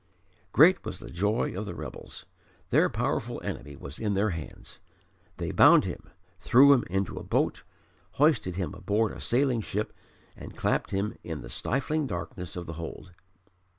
Great was the joy of the rebels their powerful enemy was in their hands! They bound him, threw him into a boat, hoisted him aboard a sailing ship and clapped him in the stifling darkness of the hold.